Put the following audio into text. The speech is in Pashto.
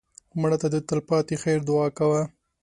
مړه ته د تل پاتې خیر دعا کوه